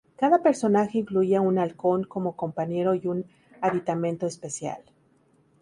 Cada personaje incluía un halcón como compañero y un aditamento especial.